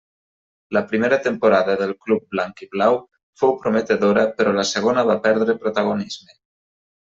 La primera temporada al club blanc-i-blau fou prometedora però la segona va perdre protagonisme.